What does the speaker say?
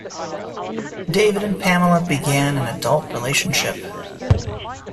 David and Pamela begin an adult relationship.